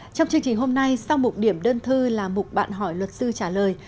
trong chương trình hôm nay sau mục điểm đơn thư là mục bạn hỏi luật sư trả lời